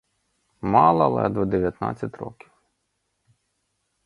Мала ледве дев'ятнадцять років.